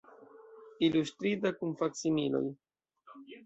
Ilustrita, kun faksimiloj.